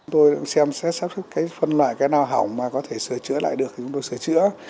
tôi xem xét sắp sức phân loại cái nào hỏng mà có thể sửa chữa lại được thì chúng tôi sửa chữa